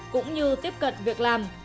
cũng như tiếp cận việc làm